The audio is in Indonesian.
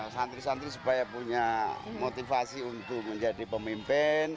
santri santri supaya punya motivasi untuk menjadi pemimpin